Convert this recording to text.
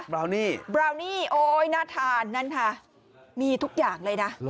บราวนี่บราวนี่โอ๊ยน่าทานนั่นค่ะมีทุกอย่างเลยนะ